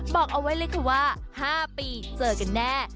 บอกเอาไว้เลยค่ะว่า๕ปีเจอกันแน่